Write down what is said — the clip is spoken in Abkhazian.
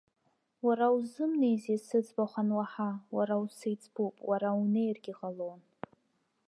Уара узымнеизеи сыӡбахәқәа ануаҳа, уара усеиҵбуп, уара унеиргьы ҟалон.